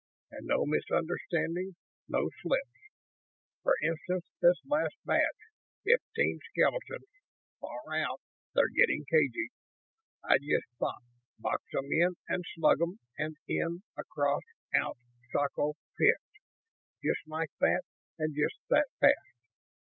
And no misunderstandings, no slips. For instance, this last batch fifteen skeletons. Far out; they're getting cagy. I just thought 'Box 'em in and slug 'em' and In! Across! Out! Socko! Pffft! Just like that and just that fast.